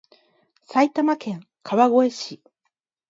埼玉県川越市